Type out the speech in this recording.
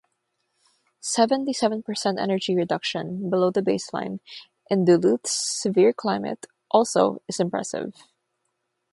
Seventy-seven percent energy reduction below the baseline in Duluth's severe climate also is impressive.